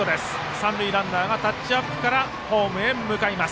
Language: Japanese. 三塁ランナーはタッチアップからホームへ。